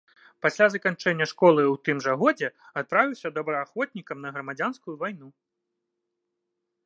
Пасля заканчэння школы ў тым жа годзе адправіўся добраахвотнікам на грамадзянскую вайну.